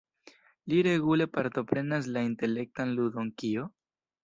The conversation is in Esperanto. Li regule partoprenas la intelektan ludon "Kio?